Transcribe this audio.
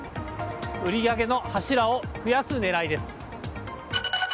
売り上げの柱を増やす狙いです。